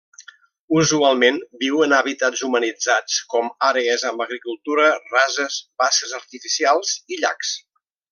Usualment viu en hàbitats humanitzats com àrees amb agricultura, rases, basses artificials i llacs.